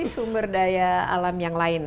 sumber daya alam yang lain